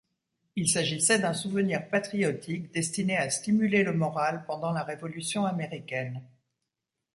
Il s’agissait d’un souvenir patriotique destiné à stimuler le moral pendant la révolution américaine.